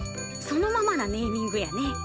そのままなネーミングやね。